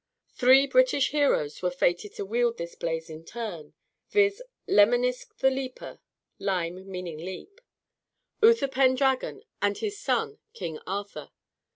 Three British heroes were fated to wield this blade in turn; viz., Lemenisk the leaper (Leim, meaning leap), Utherpendragon, and his son King Arthur.